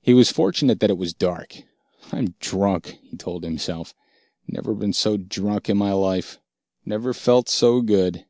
He was fortunate that it was dark. "I'm drunk," he told himself. "Never been so drunk in my life. Never felt so good.